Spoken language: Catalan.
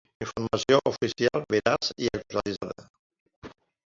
Informació oficial, veraç i actualitzada.